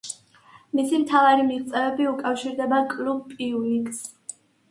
მისი მთავარი მიღწევები უკავშირდება კლუბ პიუნიკს.